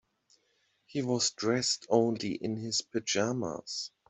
He was dressed only in his pajamas.